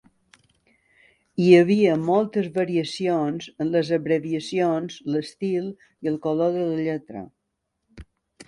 Hi havia moltes variacions en les abreviacions, l'estil i el color de la lletra.